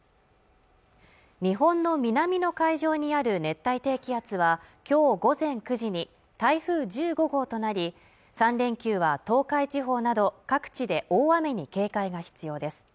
日本の南の海上にある熱帯低気圧は今日午前９時に台風１５号となり３連休は東海地方など各地で大雨に警戒が必要です